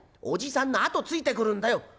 おじさんの後ついてくるんだよ」。